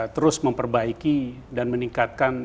terus memperbaiki dan meningkatkan